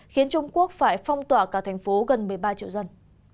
khiến trung quốc phải phong tỏa cả thành phố gần một mươi ba triệu dân